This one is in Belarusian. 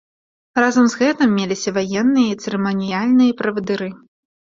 Разам з гэтым, меліся ваенныя і цырыманіяльныя правадыры.